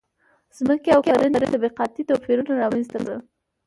• ځمکې او کرنې طبقاتي توپیرونه رامنځته کړل.